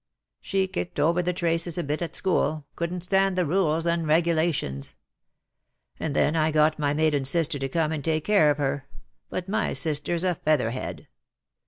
She kicked over the traces a bit at school — couldn't stand the rules and regulations. And then I got my maiden sister to come and take care of her; but my sister's a feather head.